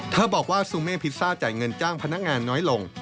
บอกว่าซูเม่พิซซ่าจ่ายเงินจ้างพนักงานน้อยลง